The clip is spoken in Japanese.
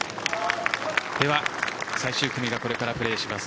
では最終組がこれからプレーします。